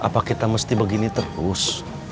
apa kita mesti begini terus